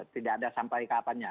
tidak ada sampai kapannya